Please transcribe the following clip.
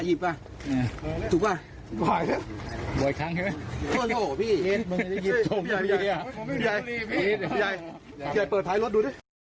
พี่เคืองไหมขอบุรีที่ดูด